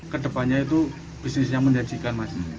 kedepannya itu bisnisnya menjanjikan masing masing